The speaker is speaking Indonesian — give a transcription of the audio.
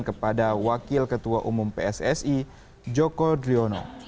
kepada wakil ketua umum pssi joko driono